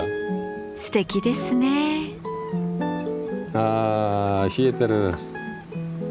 あ冷えてる。